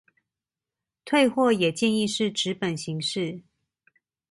退貨也建議是紙本形式